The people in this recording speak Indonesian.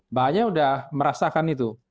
mbaknya udah merasakan itu